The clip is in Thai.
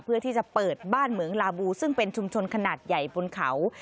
เพื่อที่จะเปิดบ้านเหมืองลาบูซึ่งเป็นชุมชนขนาดใหญ่บนเขา